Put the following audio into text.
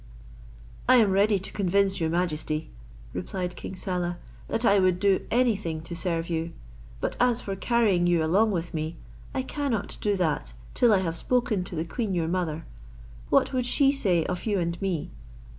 "I am ready to convince your majesty," replied King Saleh, "that I would do any thing to serve you; but as for carrying you along with me, I cannot do that till I have spoken to the queen your mother. What would she say of you and me?